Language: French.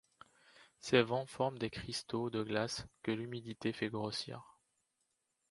Ces vents forment des cristaux de glace que l'humidité fait grossir.